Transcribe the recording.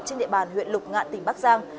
trên địa bàn huyện lục ngạn tỉnh bắc giang